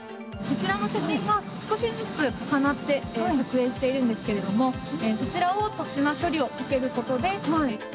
こちらの写真が少しずつ重なって撮影しているんですけれども、そちらを特殊な処理をかけることで。